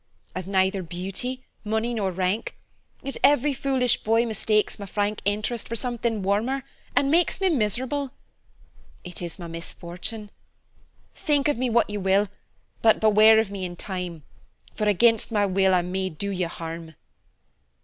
I've neither beauty, money, nor rank, yet every foolish boy mistakes my frank interest for something warmer, and makes me miserable. It is my misfortune. Think of me what you will, but beware of me in time, for against my will I may do you harm."